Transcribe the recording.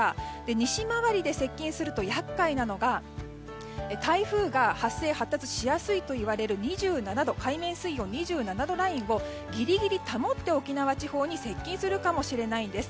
西回りで接近すると厄介なのが台風が発生・発達しやすいといわれる海面水温２７度ラインをギリギリ保って沖縄地方に接近するかもしれないんです。